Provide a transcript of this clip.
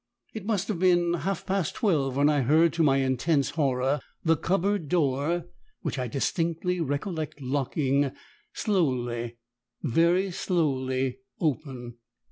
It must have been half past twelve when I heard, to my intense horror, the cupboard door which I distinctly recollect locking slowly, very slowly, open.